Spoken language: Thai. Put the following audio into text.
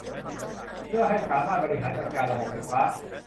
เพื่อให้สามารถบริหารจัดการระบบไฟฟ้า